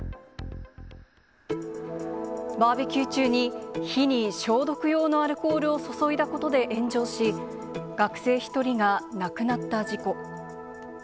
バーベキュー中に火に消毒用のアルコールを注いだことで炎上し、学生１人が亡くなった事故。